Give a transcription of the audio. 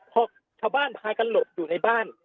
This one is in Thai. พอชาวบ้านพากันหลบอยู่ในบ้าน